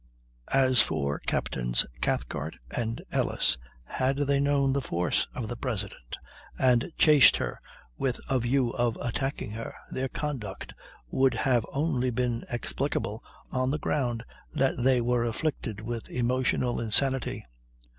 As for Captains Cathcart and Ellis, had they known the force of the President, and chased her with a view of attacking her, their conduct would have only been explicable on the ground that they were afflicted with emotional insanity.